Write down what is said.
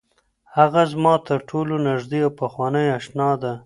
هغه زما تر ټولو نږدې او پخوانۍ اشنا ده.